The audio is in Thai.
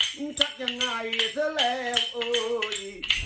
มันชักยังไงจะแรงโอ้ย